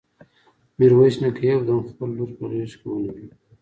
ميرويس نيکه يو دم خپله لور په غېږ کې ونيوله.